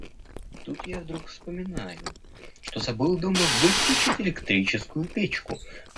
Тут я вдруг вспоминаю, что забыл дома выключить электрическую печку.